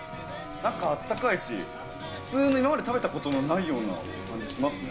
中あったかいし、普通に今まで食べたことのないような感じしますね。